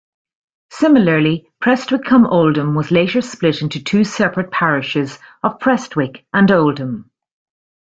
Similarly, Prestwich-cum-Oldham was later split into two separate parishes of Prestwich and Oldham.